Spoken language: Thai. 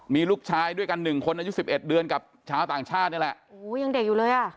มีลูกชายด้วยกันหนึ่งคนอายุสิบเอ็ดเดือนกับชาวต่างชาตินี่แหละโอ้โหยังเด็กอยู่เลยอ่ะ